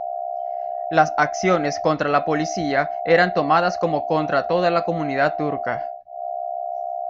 Las acciones contra la policía eran tomadas como contra toda la comunidad turca.